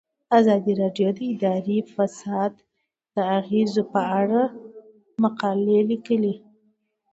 ازادي راډیو د اداري فساد د اغیزو په اړه مقالو لیکلي.